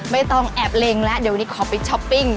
ไม่ต้องแอบเล็งแล้วเดี๋ยววันนี้ขอไปช้อปปิ้ง